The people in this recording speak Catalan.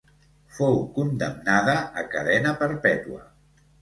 Fou condemnada a cadena perpètua.